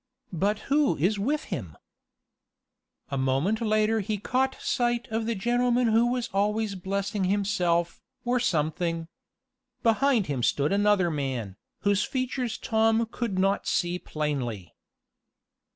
"But who is with him?" A moment later he caught sight of the gentleman who was always blessing himself, or something. Behind him stood another man, whose features Tom could not see plainly.